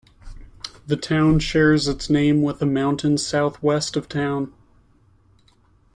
The town shares its name with a mountain southwest of town.